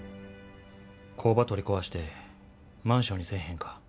工場取り壊してマンションにせえへんか？